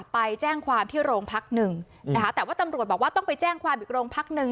ไปแจ้งความที่โรงพักหนึ่งนะคะแต่ว่าตำรวจบอกว่าต้องไปแจ้งความอีกโรงพักหนึ่ง